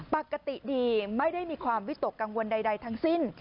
ปกติดีไม่ได้มีความวิตกกังวลใดทั้งสิ้น